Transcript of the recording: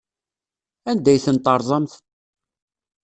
Anda ay tent-terẓamt?